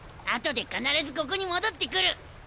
後で必ずここに戻ってくる。